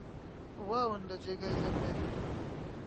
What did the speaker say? ڕواون لە جێگای زەنوێر